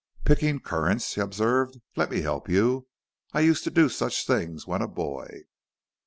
"Picking currants?" he observed. "Let me help you. I used to do such things when a boy."